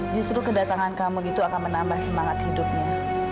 justru kedatangan kamu itu akan menambah semangat hidupnya